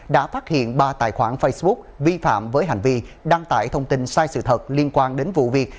đã phát hiện ba tài khoản facebook vi phạm với hành vi đăng tải thông tin sai sự thật liên quan đến vụ việc